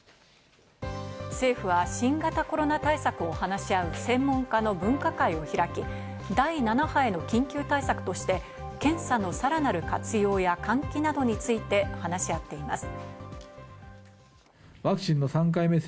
政府は新型コロナ対策を話し合う専門家の分科会を開き、第７波への緊急対策として、検査のさらなる活用や換気などについて話し合っています。